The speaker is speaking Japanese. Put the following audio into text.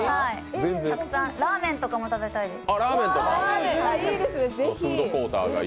ラーメンとかも食べたいです。